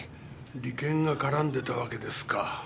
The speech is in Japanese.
利権が絡んでたわけですか。